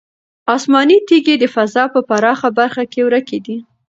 آسماني تیږې د فضا په پراخه برخه کې ورکې دي.